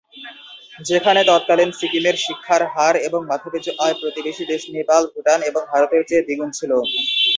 যেখানে তৎকালীন সিকিমের শিক্ষার হার এবং মাথাপিছু আয় প্রতিবেশী দেশ নেপাল, ভুটান এবং ভারতের চেয়ে দ্বিগুণ ছিল।